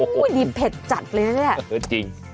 โอ้โหดีเผ็ดจัดเลยนะเนี่ย